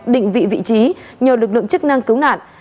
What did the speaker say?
định vị vị trí nhờ lực lượng chức năng cứu nạn